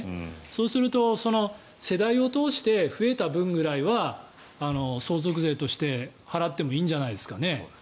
そうすると世代を通して増えた分ぐらいは相続税として払ってもいいんじゃないですかね。